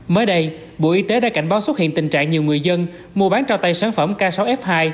mới đây bộ y tế đã cảnh báo xuất hiện tình trạng nhiều người dân mua bán trao tay sản phẩm k sáu f hai